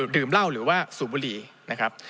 ดื่มเหล้าหรือว่าสูบบุหรี่นะครับ